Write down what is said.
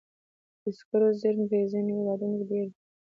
د سکرو زیرمې په ځینو هېوادونو کې ډېرې دي.